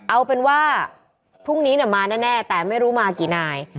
เอาเป็นว่าพรุ่งนี้มาแน่แต่ไม่รู้มากี่นาย